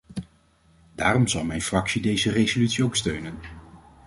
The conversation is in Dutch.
Daarom zal mijn fractie deze resolutie ook steunen.